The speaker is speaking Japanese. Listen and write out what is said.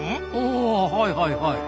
あはいはいはい。